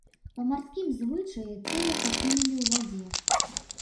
Па марскім звычаі цела пакінулі ў вадзе.